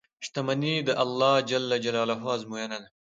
• شتمني د الله ازموینه ده.